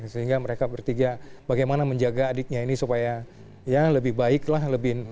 sehingga mereka bertiga bagaimana menjaga adiknya ini supaya ya lebih baik lah